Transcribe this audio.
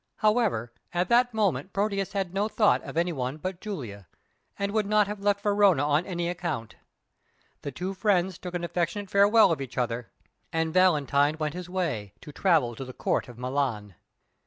However, at that moment Proteus had no thought for anyone but Julia, and would not have left Verona on any account. The two friends took an affectionate farewell of each other, and Valentine went his way, to travel to the Court of Milan.